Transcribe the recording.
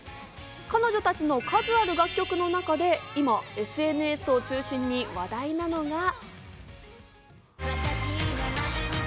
彼女たちの数ある楽曲の中で今、ＳＮＳを中心に話題なのが。